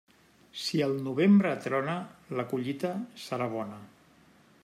Si al novembre trona, la collita serà bona.